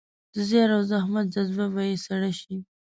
د زیار او زحمت جذبه به يې سړه شي.